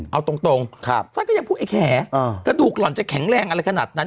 เอาตรงฉันก็ยังพูดไอ้แขกระดูกหล่อนจะแข็งแรงอะไรขนาดนั้น